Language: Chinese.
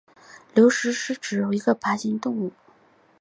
刘氏石龙子为石龙子科石龙子属的爬行动物。